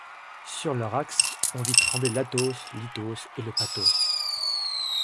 Sur leur axe, On vit trembler l’athos, l’ithos et le pathos.